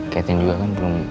catherine juga kan belum